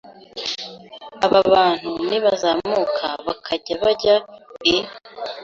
Aba bantu nibazamuka bakajya bajya i